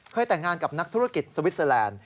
แต่งงานกับนักธุรกิจสวิสเตอร์แลนด์